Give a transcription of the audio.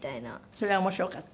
それは面白かった？